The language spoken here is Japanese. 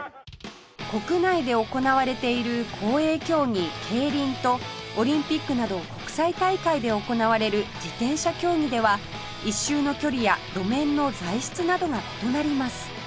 国内で行われている公営競技競輪とオリンピックなど国際大会で行われる自転車競技では１周の距離や路面の材質などが異なります